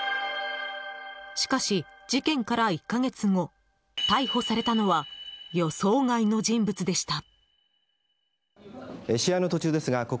しかし、事件から１か月後逮捕されたのは予想外の人物でした。